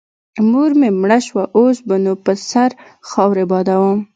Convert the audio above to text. مور مې مړه سوه اوس به نو پر سر خاورې بادوم.